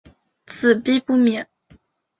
子必不免。